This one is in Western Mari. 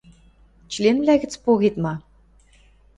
Членвлӓ гӹц погет ма?